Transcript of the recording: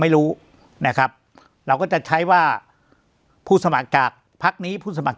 ไม่รู้นะครับเราก็จะใช้ว่าผู้สมัครจากพักนี้ผู้สมัคร